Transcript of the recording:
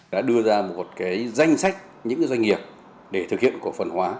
đã đưa ra một danh sách những doanh nghiệp để thực hiện cổ phần hóa